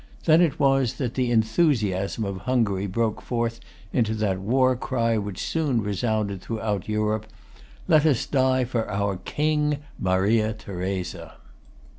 Then it was that the enthusiasm of Hungary broke forth into that war cry which soon resounded throughout Europe, "Let us die for our King, Maria Theresa!"